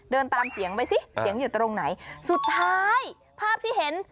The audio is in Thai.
เดินตามเสียงไปสิเสียงอยู่ตรงไหนสุดท้ายภาพที่เห็น